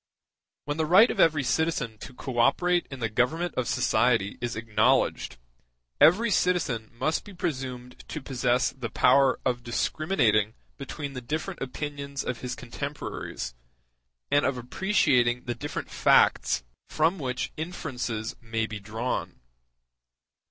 When the right of every citizen to co operate in the government of society is acknowledged, every citizen must be presumed to possess the power of discriminating between the different opinions of his contemporaries, and of appreciating the different facts from which inferences may be drawn.